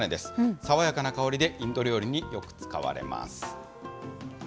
爽やかな香りでインド料理によく使われます。